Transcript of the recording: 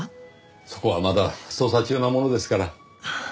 そこはまだ捜査中なものですから。